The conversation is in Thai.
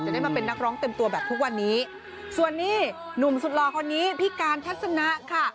ได้มาเป็นนักร้องเต็มตัวแบบทุกวันนี้ส่วนนี้หนุ่มสุดหล่อคนนี้พี่การทัศนะค่ะ